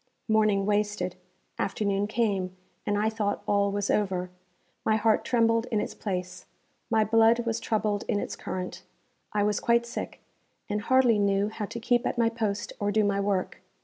Morning wasted. Afternoon came, and I thought all was over. My heart trembled in its place. My blood was troubled in its current. I was quite sick, and hardly knew how to keep at my post or do my work.